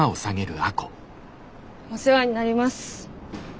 お世話になります。